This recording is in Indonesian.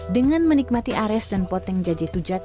dengan menikmati ares dan poteng jajetujak